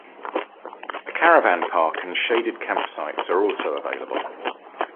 A caravan park and shaded camp sites are also available.